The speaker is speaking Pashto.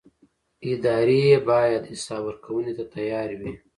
ادارې باید حساب ورکونې ته تیار وي